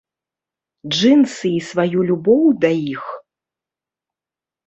Джынсы і сваю любоў да іх?!